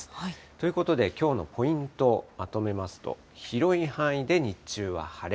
ということで、きょうのポイント、まとめますと、広い範囲で日中は晴れ。